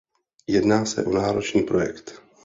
Jedná se o náročný projekt.